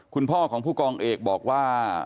คุณพ่อของผู้กองเอกบอกว่า